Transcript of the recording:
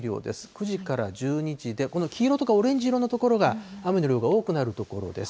９時から１２時で、この黄色とかオレンジ色の所が、雨の量が多くなる所です。